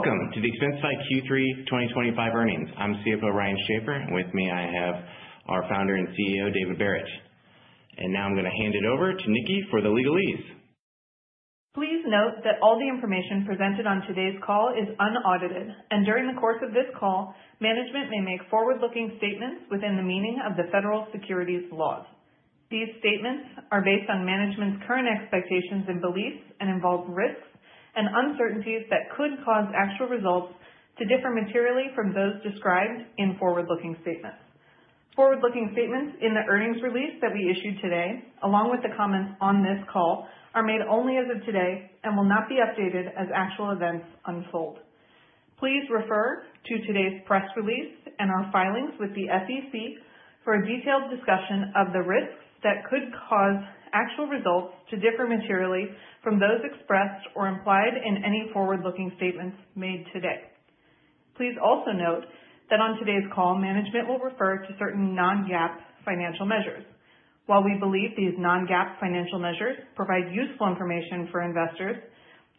Welcome to the Expensify Q3 2025 earnings. I'm CFO Ryan Schaffer. With me I have our founder and CEO, David Barrett. And now I'm going to hand it over to Niki for the legalese. Please note that all the information presented on today's call is unaudited, and during the course of this call, management may make forward-looking statements within the meaning of the federal securities laws. These statements are based on management's current expectations and beliefs and involve risks and uncertainties that could cause actual results to differ materially from those described in forward-looking statements. Forward-looking statements in the earnings release that we issued today, along with the comments on this call, are made only as of today and will not be updated as actual events unfold. Please refer to today's press release and our filings with the SEC for a detailed discussion of the risks that could cause actual results to differ materially from those expressed or implied in any forward-looking statements made today. Please also note that on today's call, management will refer to certain non-GAAP financial measures. While we believe these non-GAAP financial measures provide useful information for investors,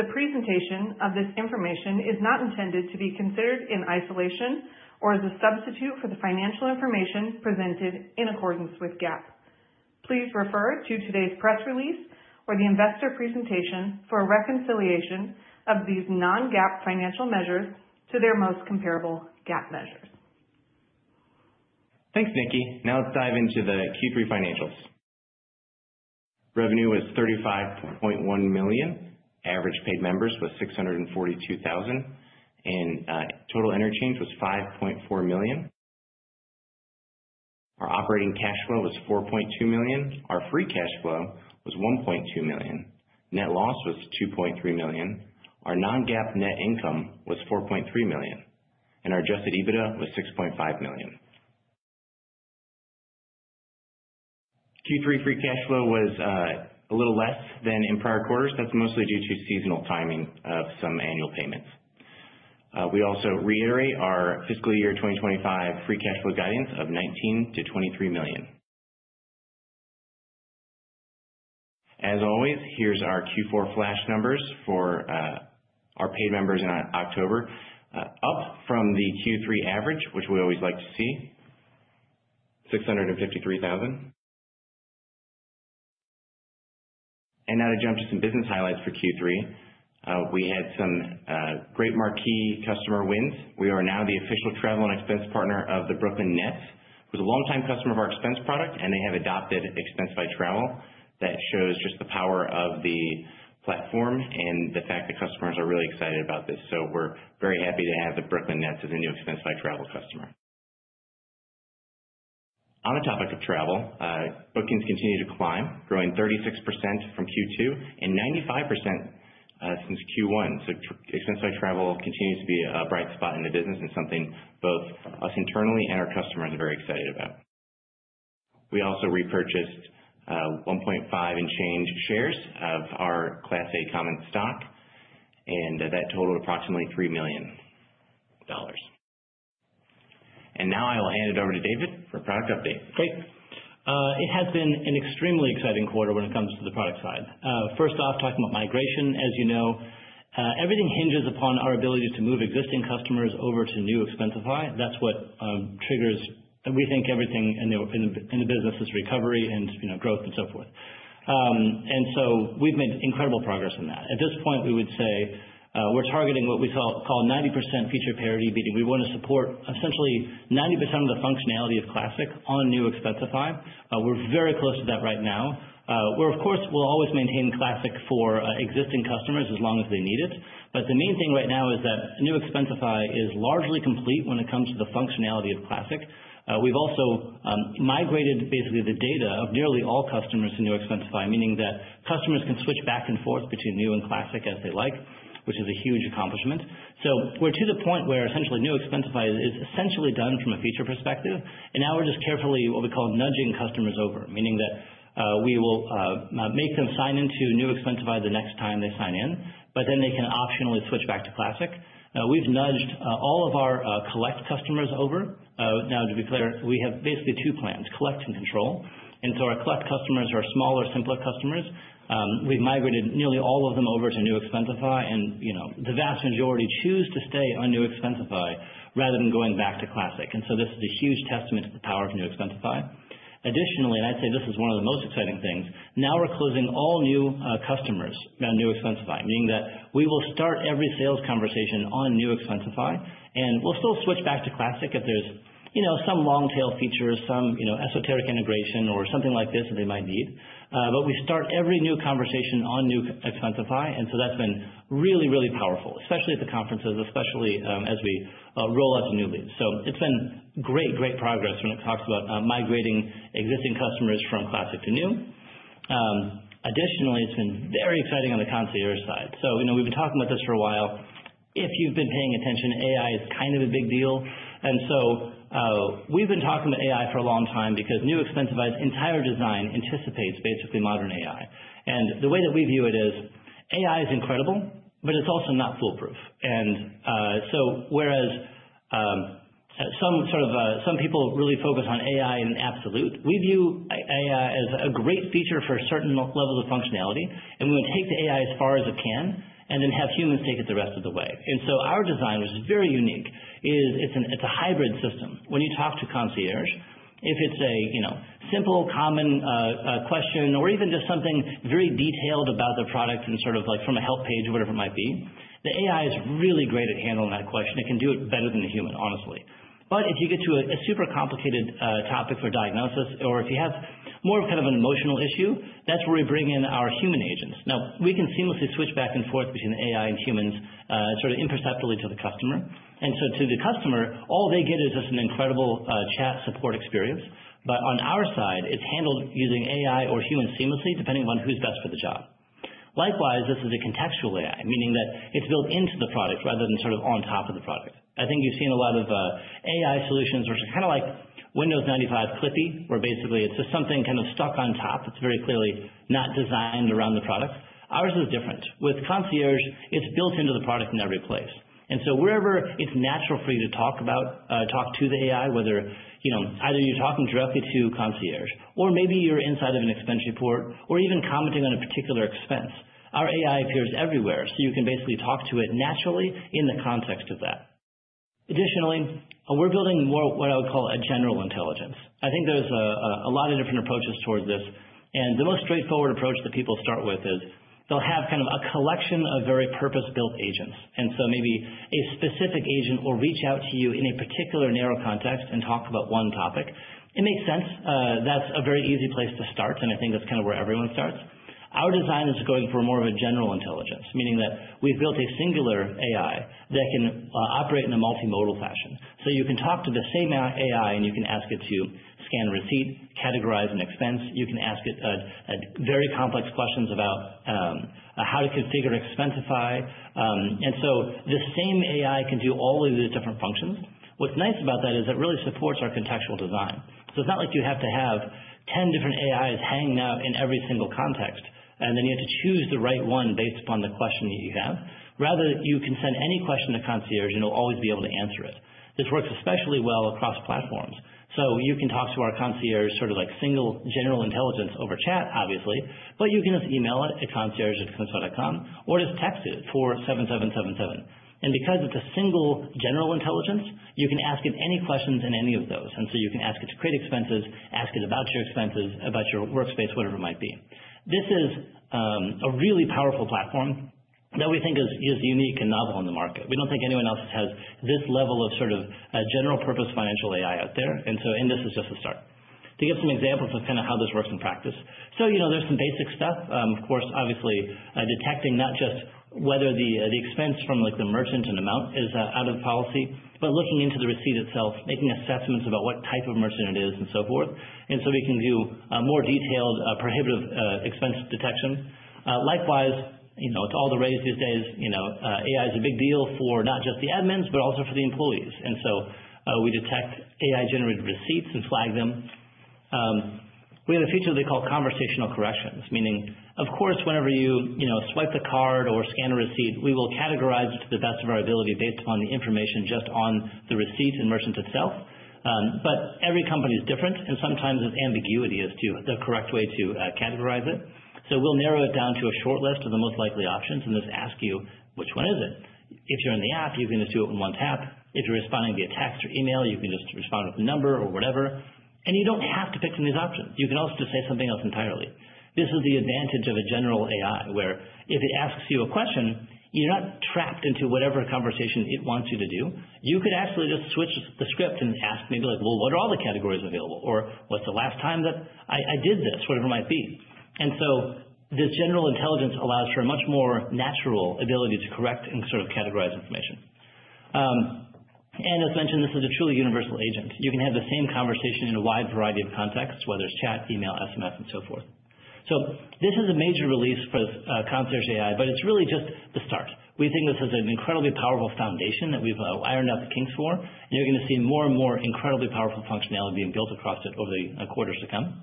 the presentation of this information is not intended to be considered in isolation or as a substitute for the financial information presented in accordance with GAAP. Please refer to today's press release or the investor presentation for a reconciliation of these non-GAAP financial measures to their most comparable GAAP measures. Thanks, Niki. Now let's dive into the Q3 financials. Revenue was $35.1 million. Average paid members was 642,000. And total interchange was $5.4 million. Our operating cash flow was $4.2 million. Our free cash flow was $1.2 million. Net loss was $2.3 million. Our non-GAAP net income was $4.3 million. And our adjusted EBITDA was $6.5 million. Q3 free cash flow was a little less than in prior quarters. That's mostly due to seasonal timing of some annual payments. We also reiterate our fiscal year 2025 free cash flow guidance of $19 million-$23 million. As always, here's our Q4 flash numbers for our paid members in October, up from the Q3 average, which we always like to see, 653,000. And now to jump to some business highlights for Q3. We had some great marquee customer wins. We are now the official travel and expense partner of the Brooklyn Nets. It was a longtime customer of our Expense product, and they have adopted Expensify Travel. That shows just the power of the platform and the fact that customers are really excited about this, so we're very happy to have the Brooklyn Nets as a new Expensify Travel customer. On the topic of travel, bookings continue to climb, growing 36% from Q2 and 95% since Q1. So Expensify Travel continues to be a bright spot in the business and something both us internally and our customers are very excited about. We also repurchased 1.5 million and change shares of our Class A Common Stock, and that totaled approximately $3 million, and now I will hand it over to David for a product update. Great. It has been an extremely exciting quarter when it comes to the product side. First off, talking about migration, as you know, everything hinges upon our ability to move existing customers over to New Expensify. That's what triggers, we think, everything in the business's recovery and growth and so forth, and so we've made incredible progress in that. At this point, we would say we're targeting what we call 90% feature parity, meaning we want to support essentially 90% of the functionality of Classic on New Expensify. We're very close to that right now. We're, of course, will always maintain Classic for existing customers as long as they need it, but the main thing right now is that New Expensify is largely complete when it comes to the functionality of Classic. We've also migrated basically the data of nearly all customers to New Expensify, meaning that customers can switch back and forth between New and Classic as they like, which is a huge accomplishment. So we're to the point where essentially New Expensify is essentially done from a feature perspective. And now we're just carefully, what we call, nudging customers over, meaning that we will make them sign into New Expensify the next time they sign in, but then they can optionally switch back to Classic. We've nudged all of our Collect customers over. Now, to be clear, we have basically two plans, Collect and Control. And so our Collect customers are smaller, simpler customers. We've migrated nearly all of them over to New Expensify. And the vast majority choose to stay on New Expensify rather than going back to Classic. And so this is a huge testament to the power of New Expensify. Additionally, and I'd say this is one of the most exciting things, now we're closing all new customers on New Expensify, meaning that we will start every sales conversation on New Expensify. And we'll still switch back to Classic if there's some long-tail features, some esoteric integration, or something like this that they might need. But we start every new conversation on New Expensify. And so that's been really, really powerful, especially at the conferences, especially as we roll out to new leads. So it's been great, great progress when it talks about migrating existing customers from Classic to New. Additionally, it's been very exciting on the Concierge side. So we've been talking about this for a while. If you've been paying attention, AI is kind of a big deal. We've been talking about AI for a long time because New Expensify's entire design anticipates basically modern AI. The way that we view it is AI is incredible, but it's also not foolproof. Whereas some people really focus on AI in absolute, we view AI as a great feature for certain levels of functionality. We want to take the AI as far as it can and then have humans take it the rest of the way. Our design, which is very unique, is. It's a hybrid system. When you talk to Concierge, if it's a simple, common question, or even just something very detailed about the product and sort of like from a help page or whatever it might be, the AI is really great at handling that question. It can do it better than a human, honestly. But if you get to a super complicated topic for diagnosis, or if you have more of kind of an emotional issue, that's where we bring in our human agents. Now, we can seamlessly switch back and forth between AI and humans sort of imperceptibly to the customer. And so to the customer, all they get is just an incredible chat support experience. But on our side, it's handled using AI or humans seamlessly, depending on who's best for the job. Likewise, this is a contextual AI, meaning that it's built into the product rather than sort of on top of the product. I think you've seen a lot of AI solutions which are kind of like Windows 95 Clippy, where basically it's just something kind of stuck on top. It's very clearly not designed around the product. Ours is different. With Concierge, it's built into the product in every place, and so wherever it's natural for you to talk about, talk to the AI, whether either you're talking directly to Concierge, or maybe you're inside of an expense report, or even commenting on a particular expense, our AI appears everywhere, so you can basically talk to it naturally in the context of that. Additionally, we're building more of what I would call a general intelligence. I think there's a lot of different approaches towards this, and the most straightforward approach that people start with is they'll have kind of a collection of very purpose-built agents, and so maybe a specific agent will reach out to you in a particular narrow context and talk about one topic. It makes sense. That's a very easy place to start, and I think that's kind of where everyone starts. Our design is going for more of a general intelligence, meaning that we've built a singular AI that can operate in a multimodal fashion, so you can talk to the same AI, and you can ask it to scan a receipt, categorize an expense. You can ask it very complex questions about how to configure Expensify, and so this same AI can do all of these different functions. What's nice about that is it really supports our contextual design, so it's not like you have to have 10 different AIs hanging out in every single context, and then you have to choose the right one based upon the question that you have. Rather, you can send any question to Concierge, and it'll always be able to answer it. This works especially well across platforms. So you can talk to our Concierge sort of like single general intelligence over chat, obviously, but you can just email it at concierge@expensify.com or just text it at 47777. And because it's a single general intelligence, you can ask it any questions in any of those. And so you can ask it to create expenses, ask it about your expenses, about your workspace, whatever it might be. This is a really powerful platform that we think is unique and novel in the market. We don't think anyone else has this level of sort of general purpose financial AI out there. And so this is just the start. To give some examples of kind of how this works in practice. So there's some basic stuff. Of course, obviously, detecting not just whether the expense from the merchant and amount is out of policy, but looking into the receipt itself, making assessments about what type of merchant it is and so forth. And so we can do more detailed prohibitive expense detection. Likewise, it's all the rage these days. AI is a big deal for not just the admins, but also for the employees. And so we detect AI-generated receipts and flag them. We have a feature they call Conversational Corrections, meaning, of course, whenever you swipe the card or scan a receipt, we will categorize it to the best of our ability based upon the information just on the receipt and merchant itself. But every company is different, and sometimes ambiguity is the correct way to categorize it. So we'll narrow it down to a short list of the most likely options and just ask you, which one is it? If you're in the app, you can just do it with one tap. If you're responding via text or email, you can just respond with a number or whatever. And you don't have to pick from these options. You can also just say something else entirely. This is the advantage of a general AI, where if it asks you a question, you're not trapped into whatever conversation it wants you to do. You could actually just switch the script and ask maybe like, well, what are all the categories available? Or what's the last time that I did this, whatever it might be? And so this general intelligence allows for a much more natural ability to correct and sort of categorize information. As mentioned, this is a truly universal agent. You can have the same conversation in a wide variety of contexts, whether it's chat, email, SMS, and so forth. This is a major release for Concierge AI, but it's really just the start. We think this is an incredibly powerful foundation that we've ironed out the kinks for. You're going to see more and more incredibly powerful functionality being built across it over the quarters to come.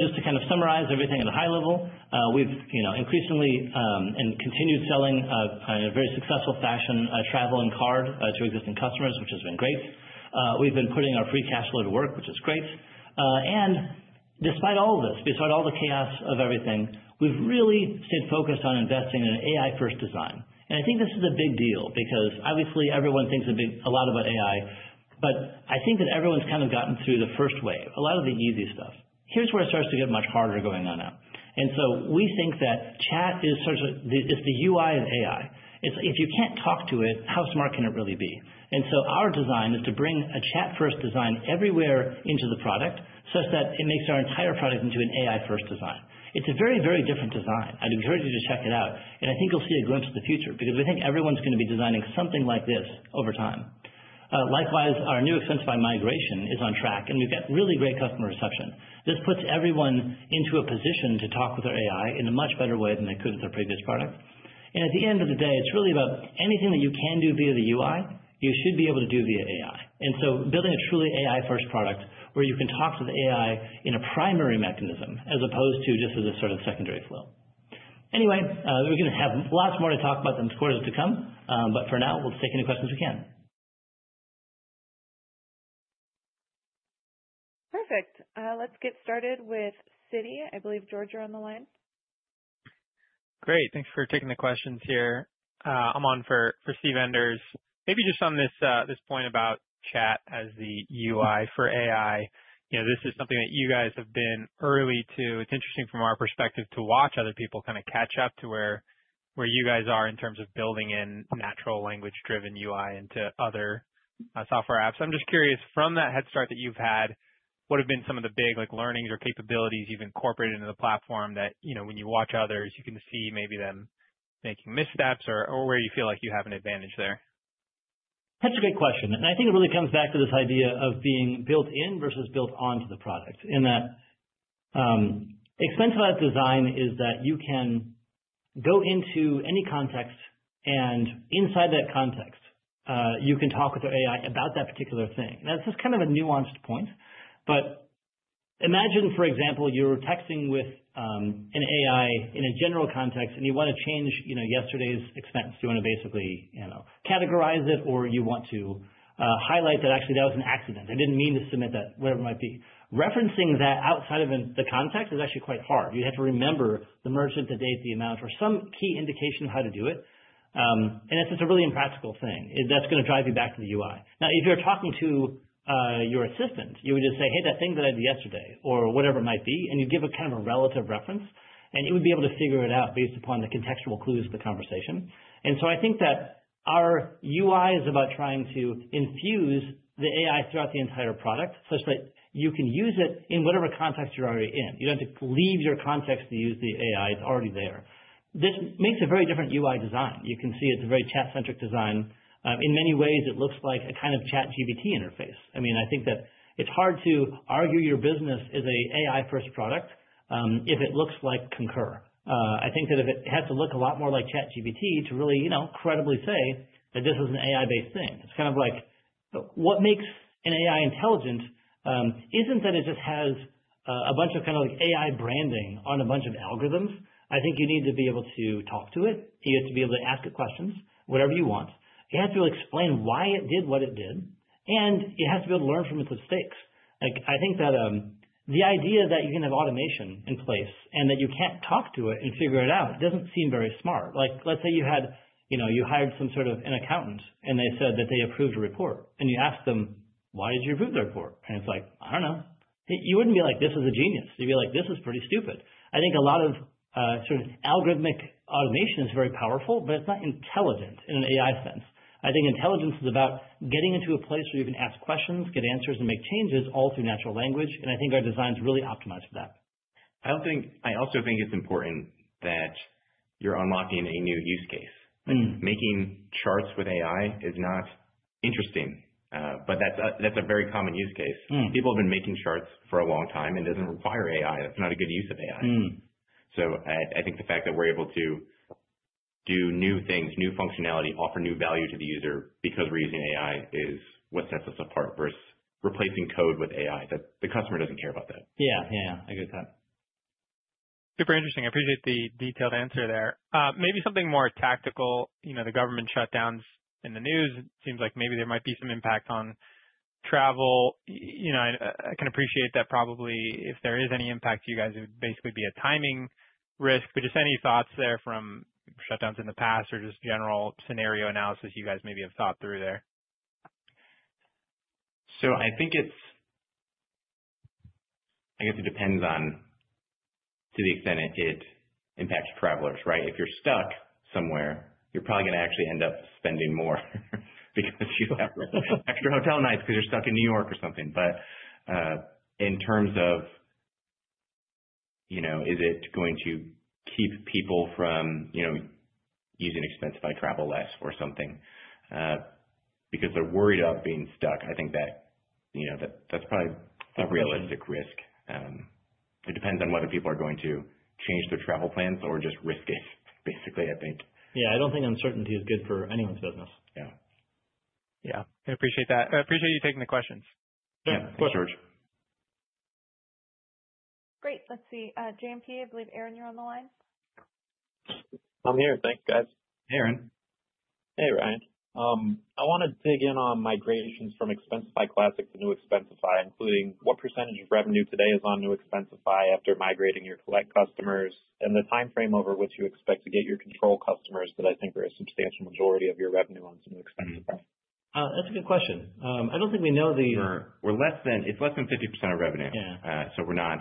Just to kind of summarize everything at a high level, we've increasingly and continued selling in a very successful fashion travel and card to existing customers, which has been great. We've been putting our free cash flow to work, which is great. Despite all of this, despite all the chaos of everything, we've really stayed focused on investing in an AI-first design. And I think this is a big deal because obviously everyone thinks a lot about AI, but I think that everyone's kind of gotten through the first wave, a lot of the easy stuff. Here's where it starts to get much harder going on now. And so we think that chat is the UI of AI. If you can't talk to it, how smart can it really be? And so our design is to bring a chat-first design everywhere into the product such that it makes our entire product into an AI-first design. It's a very, very different design. I'd encourage you to check it out. And I think you'll see a glimpse of the future because we think everyone's going to be designing something like this over time. Likewise, our New Expensify migration is on track, and we've got really great customer reception. This puts everyone into a position to talk with their AI in a much better way than they could with their previous product. And at the end of the day, it's really about anything that you can do via the UI, you should be able to do via AI. And so building a truly AI-first product where you can talk to the AI in a primary mechanism as opposed to just as a sort of secondary flow. Anyway, we're going to have lots more to talk about in the quarters to come. But for now, we'll take any questions we can. Perfect. Let's get started with Citi. I believe George is on the line. Great. Thanks for taking the questions here. I'm on for Steve Enders. Maybe just on this point about chat as the UI for AI. This is something that you guys have been early to. It's interesting from our perspective to watch other people kind of catch up to where you guys are in terms of building in natural language-driven UI into other software apps. I'm just curious from that head start that you've had, what have been some of the big learnings or capabilities you've incorporated into the platform that when you watch others, you can see maybe them making missteps or where you feel like you have an advantage there? That's a great question, and I think it really comes back to this idea of being built in versus built on to the product in that Expensify's design is that you can go into any context, and inside that context, you can talk with their AI about that particular thing. Now, this is kind of a nuanced point, but imagine, for example, you're texting with an AI in a general context, and you want to change yesterday's expense. You want to basically categorize it, or you want to highlight that actually that was an accident. I didn't mean to submit that, whatever it might be. Referencing that outside of the context is actually quite hard. You have to remember the merchant, the date, the amount, or some key indication of how to do it. And it's just a really impractical thing that's going to drive you back to the UI. Now, if you're talking to your assistant, you would just say, hey, that thing that I did yesterday, or whatever it might be, and you give it kind of a relative reference, and it would be able to figure it out based upon the contextual clues of the conversation, and so I think that our UI is about trying to infuse the AI throughout the entire product, such that you can use it in whatever context you're already in. You don't have to leave your context to use the AI. It's already there. This makes a very different UI design. You can see it's a very chat-centric design. In many ways, it looks like a kind of ChatGPT interface. I mean, I think that it's hard to argue your business is an AI-first product if it looks like Concur. I think that if it has to look a lot more like ChatGPT to really credibly say that this is an AI-based thing. It's kind of like what makes an AI intelligent isn't that it just has a bunch of kind of AI branding on a bunch of algorithms. I think you need to be able to talk to it. You have to be able to ask it questions, whatever you want. You have to explain why it did what it did. And it has to be able to learn from its mistakes. I think that the idea that you can have automation in place and that you can't talk to it and figure it out doesn't seem very smart. Let's say you hired some sort of an accountant, and they said that they approved a report. And you asked them, why did you approve the report? It's like, I don't know. You wouldn't be like, this is a genius. You'd be like, this is pretty stupid. I think a lot of sort of algorithmic automation is very powerful, but it's not intelligent in an AI sense. I think intelligence is about getting into a place where you can ask questions, get answers, and make changes all through natural language. And I think our design is really optimized for that. I also think it's important that you're unlocking a new use case. Making charts with AI is not interesting, but that's a very common use case. People have been making charts for a long time, and it doesn't require AI. That's not a good use of AI. So I think the fact that we're able to do new things, new functionality, offer new value to the user because we're using AI is what sets us apart versus replacing code with AI that the customer doesn't care about that. Yeah, yeah, yeah. I agree with that. Super interesting. I appreciate the detailed answer there. Maybe something more tactical. The government shutdowns in the news. It seems like maybe there might be some impact on travel. I can appreciate that probably. If there is any impact, you guys would basically be a timing risk. But just any thoughts there from shutdowns in the past or just general scenario analysis you guys maybe have thought through there? So I think it depends on to the extent it impacts travelers, right? If you're stuck somewhere, you're probably going to actually end up spending more because you have extra hotel nights because you're stuck in New York or something. But in terms of is it going to keep people from using Expensify Travel less or something because they're worried about being stuck, I think that that's probably a realistic risk. It depends on whether people are going to change their travel plans or just risk it, basically, I think. Yeah, I don't think uncertainty is good for anyone's business. Yeah. Yeah. I appreciate that. I appreciate you taking the questions. Yeah. Thanks, George. Great. Let's see. JMP, I believe Aaron, you're on the line. I'm here. Thanks, guys. Hey Aaron. Hey, Ryan. I want to dig in on migrations from Expensify Classic to New Expensify, including what percentage of revenue today is on New Expensify after migrating your collect customers and the time frame over which you expect to get your control customers that I think are a substantial majority of your revenue onto New Expensify? That's a good question. I don't think we know the. It's less than 50% of revenue. So we're not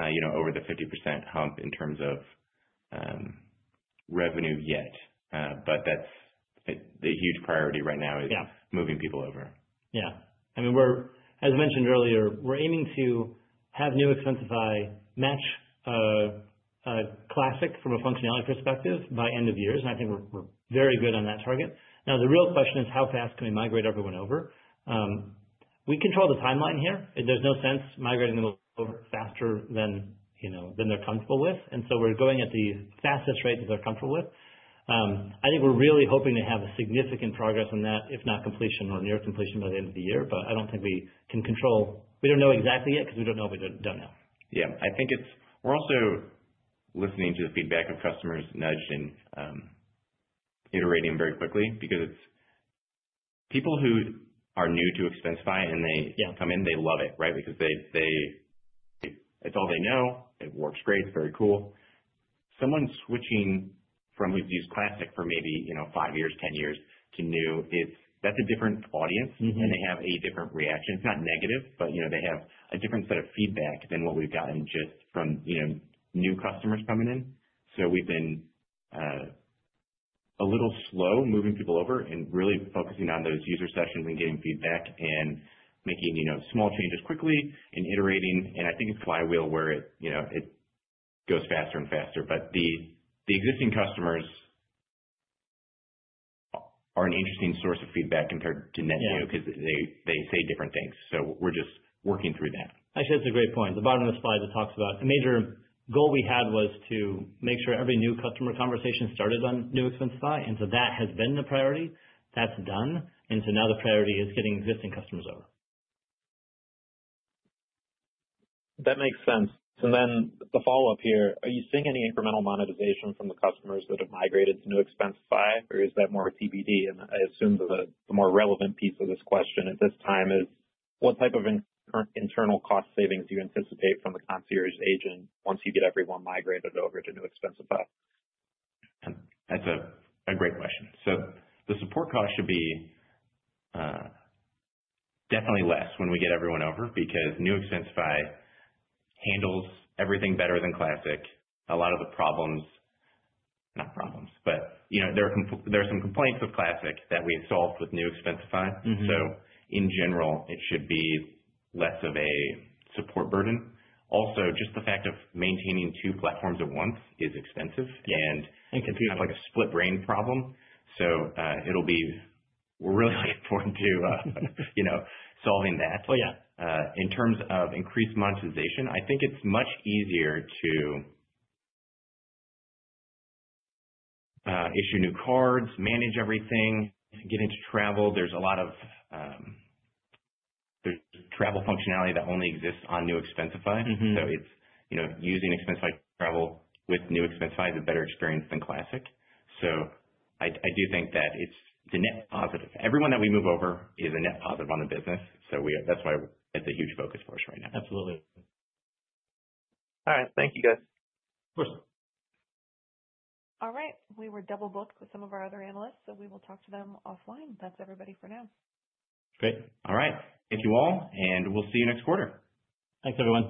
over the 50% hump in terms of revenue yet. But the huge priority right now is moving people over. Yeah. I mean, as mentioned earlier, we're aiming to have New Expensify match Expensify Classic from a functionality perspective by end of year. I think we're very good on that target. Now, the real question is how fast can we migrate everyone over? We control the timeline here. There's no sense migrating them over faster than they're comfortable with. We're going at the fastest rate that they're comfortable with. I think we're really hoping to have significant progress on that, if not completion or near completion by the end of the year. I don't think we can control it. We don't know exactly yet because we don't know what we don't know. Yeah. I think we're also listening to the feedback of customers and iterating very quickly because people who are new to Expensify and they come in, they love it, right? Because it's all they know. It works great. It's very cool. Someone switching from who's used Classic for maybe five years, ten years to New, that's a different audience, and they have a different reaction. It's not negative, but they have a different set of feedback than what we've gotten just from new customers coming in. So we've been a little slow moving people over and really focusing on those user sessions and getting feedback and making small changes quickly and iterating. And I think it's a flywheel where it goes faster and faster. But the existing customers are an interesting source of feedback compared to net new because they say different things. So we're just working through that. Actually, that's a great point. The bottom of the slide that talks about a major goal we had was to make sure every new customer conversation started on New Expensify. And so that has been the priority. That's done. And so now the priority is getting existing customers over. That makes sense. And then the follow-up here, are you seeing any incremental monetization from the customers that have migrated to New Expensify? Or is that more TBD? And I assume the more relevant piece of this question at this time is what type of internal cost savings do you anticipate from the Concierge agent once you get everyone migrated over to New Expensify? That's a great question. So the support cost should be definitely less when we get everyone over because New Expensify handles everything better than Classic. A lot of the problems not problems, but there are some complaints with Classic that we've solved with New Expensify. So in general, it should be less of a support burden. Also, just the fact of maintaining two platforms at once is expensive and can be like a split-brain problem. So it'll be really important to solving that. Oh, yeah. In terms of increased monetization, I think it's much easier to issue new cards, manage everything, get into travel. There's a lot of travel functionality that only exists on New Expensify. So using Expensify Travel with New Expensify is a better experience than Classic. So I do think that it's a net positive. Everyone that we move over is a net positive on the business. That's why it's a huge focus for us right now. Absolutely. All right. Thank you, guys. Of course. All right. We were double-booked with some of our other analysts, so we will talk to them offline. That's everybody for now. Great. All right. Thank you all, and we'll see you next quarter. Thanks, everyone.